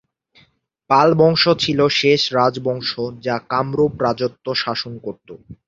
পাল বংশ ছিল শেষ রাজবংশ যা কামরূপ রাজত্ব শাসন করতো।